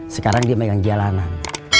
sekarang dia megang jalanan